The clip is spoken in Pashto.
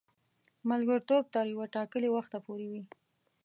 ملګرتوب تر یوه ټاکلي وخته پوري وي.